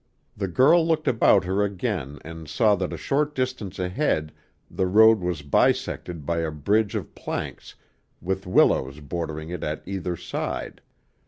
The girl looked about her again and saw that a short distance ahead the road was bisected by a bridge of planks with willows bordering it at either side.